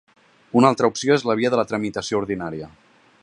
Una altra opció és la via de la tramitació ordinària.